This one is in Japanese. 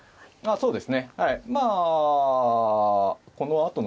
そうです。